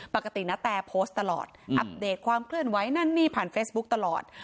ปกตินาแตโพสต์ตลอดอัปเดตความเคลื่อนไหวนั่นนี่ผ่านเฟซบุ๊คตลอด